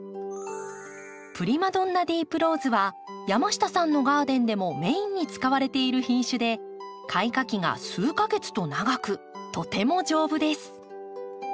‘プリマドンナ・ディープ・ローズ’は山下さんのガーデンでもメインに使われている品種で開花期が数か月と長くとても丈夫です。